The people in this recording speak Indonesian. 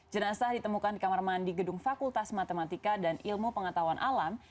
jenazah ditemukan di kamar mandi gedung fakultas matematika dan ilmu pengetahuan alam